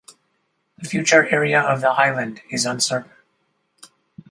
The future area of the island is uncertain.